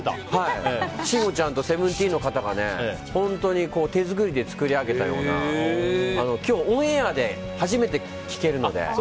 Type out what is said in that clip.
慎吾ちゃんとＳＥＶＥＮＴＥＥＮの方が手作りで作り上げたような今日、オンエアで初めて聴けるので。